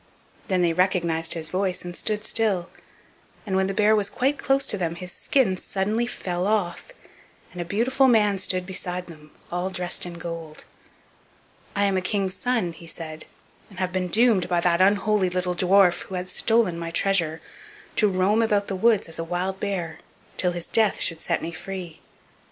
Then they recognized his voice and stood still, and when the bear was quite close to them his skin suddenly fell off, and a beautiful man stood beside them, all dressed in gold. "I am a king's son," he said, "and have been doomed by that unholy little dwarf, who had stolen my treasure, to roam about the woods as a wild bear till his death should set me free.